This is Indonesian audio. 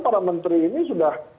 para menteri ini sudah